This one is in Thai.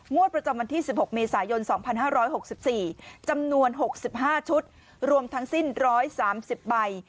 ประจำวันที่๑๖เมษายน๒๕๖๔จำนวน๖๕ชุดรวมทั้งสิ้น๑๓๐ใบ